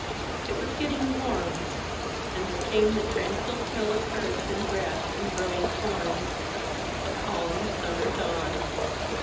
It was getting warm, and there came the tranquil smell of earth and grass and growing corn — a calm simuner dawn.